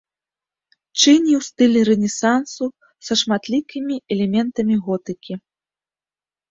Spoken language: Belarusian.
Чыні ў стылі рэнесансу са шматлікімі элементамі готыкі.